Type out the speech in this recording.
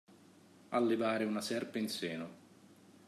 Allevare una serpe in seno.